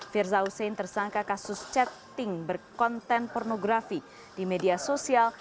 firza hussein tersangka kasus chatting berkonten pornografi di media sosial